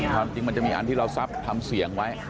ความจริงมันจะมีอันที่เราทรัพย์ทำเสียงไว้